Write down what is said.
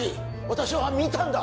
私は見たんだ！